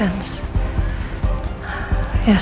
ya cukup masuk akal